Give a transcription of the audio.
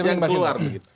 yang keluar begitu